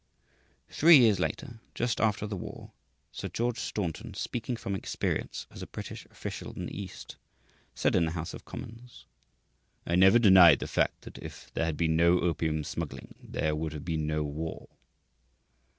Three years later, just after the war, Sir George Staunton, speaking from experience as a British official in the East, said in the House of Commons, "I never denied the fact that if there had been no opium smuggling there would have been no war.